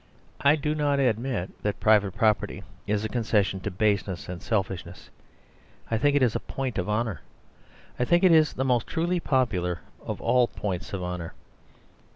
I do not admit that private property is a concession to baseness and selfishness; I think it is a point of honour. I think it is the most truly popular of all points of honour.